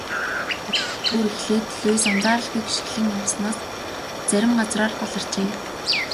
Мөрөн дээгүүр эхлээд Луис анзааралгүй гишгэлэн явснаас зарим газраар баларчээ.